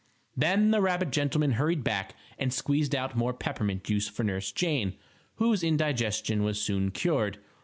Then the rabbit gentleman hurried back and squeezed out more peppermint juice for Nurse Jane, whose indigestion was soon cured.